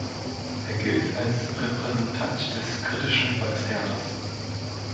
Er gilt als Repräsentant des kritischen Volkstheaters.